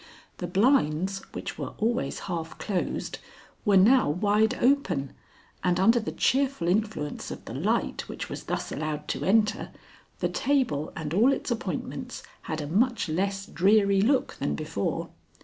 The blinds, which were always half closed, were now wide open, and under the cheerful influence of the light which was thus allowed to enter, the table and all its appointments had a much less dreary look than before.